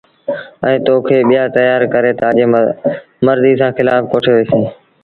ائيٚݩٚ تو کي ٻيآ تيآر ڪري تآجيٚ مرزيٚ ري کلآڦ ڪوٺي وهيٚسينٚ۔